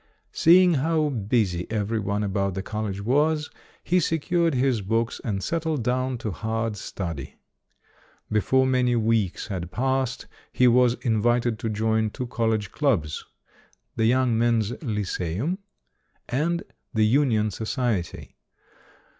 Seeing how busy every one about the college was, he secured his books and settled down to hard study. Before many weeks had passed, he was in vited to join two college clubs "The Young Men's Lyceum" and "The Union Society".